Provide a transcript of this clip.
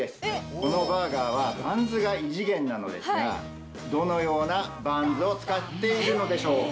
このバーガーは、バンズが異次元なのですが、どのようなバンズを使っているのでしょうか。